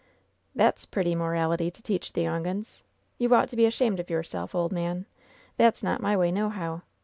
"That^s pretty morality to teach the young uns ! You ought to be ashamed of yourself, ole man. That's not my way, nohow.